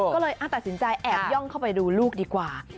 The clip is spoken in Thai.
ก็เลยตัดสินใจแอบย่องเข้าไปดูลูกดีกว่า